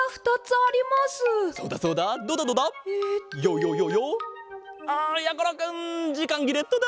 あやころくんじかんぎれットだ！